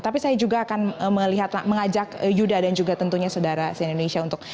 tapi saya juga akan melihat mengajak yuda dan juga tentunya saudara si indonesia untuk